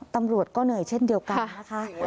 ตำรวจก็เหนื่อยเช่นเดียวกันนะคะ